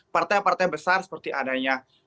partai partai besar seperti adanya